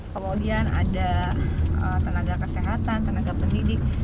kemudian ada tenaga kesehatan tenaga pendidik